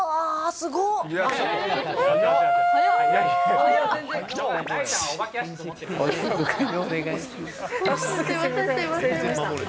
すみません、すみません。